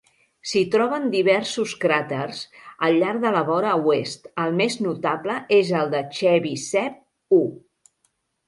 S'hi troben diversos cràters al llarg de la vora oest, el més notable és el de Chebyshev U.